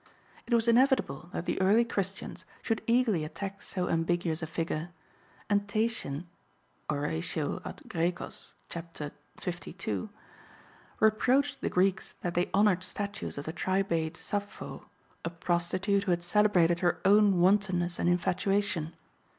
It was inevitable that the early Christians should eagerly attack so ambiguous a figure, and Tatian (Oratio ad Graecos, cap. 52) reproached the Greeks that they honored statues of the tribade Sappho, a prostitute who had celebrated her own wantonness and infatuation.